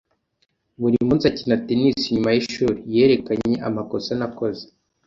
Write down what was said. Buri munsi akina tennis nyuma yishuri. Yerekanye amakosa nakoze.